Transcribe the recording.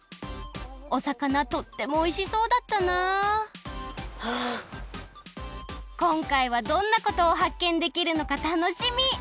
おさかなとってもおいしそうだったなこんかいはどんなことをはっけんできるのかたのしみ！